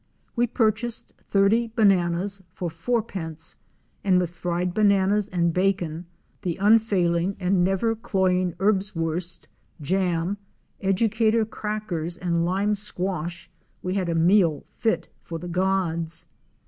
We purchased thirty bananas for fourpence, and with fried bananas and bacon, the unfailing and never cloying erbswurst, jam, educator crackers and lime squash, we had a meal fit for the gods.